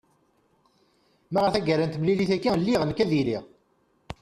ma ɣer tagara n temlilit-agi lliɣ nekk ad iliɣ